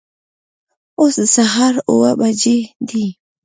اوس د سهار اوه بجې دي